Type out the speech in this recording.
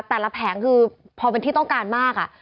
แผงคือพอเป็นที่ต้องการมาก